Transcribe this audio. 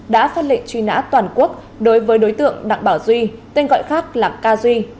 đã phát lệnh truy nã toàn quốc đối với đối tượng đặng bảo duy tên gọi khác là ca duy